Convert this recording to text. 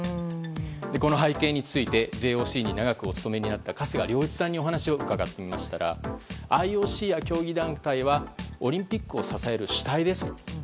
この背景についてＪＯＣに長くお勤めになった春日良一さんにお話を伺ってきましたがＩＯＣや競技団体はオリンピックを支える主体です。